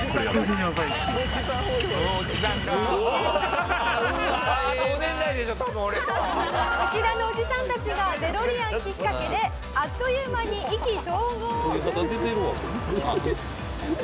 見知らぬおじさんたちがデロリアンきっかけであっという間に意気投合。